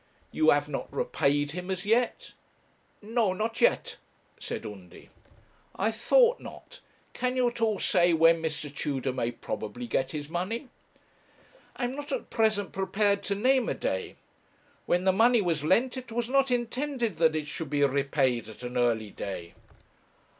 'You have not repaid him as yet?' 'No not yet,' said Undy. 'I thought not. Can you at all say when Mr. Tudor may probably get his money?' 'I am not at present prepared to name a day. When the money was lent it was not intended that it should be repaid at an early day.'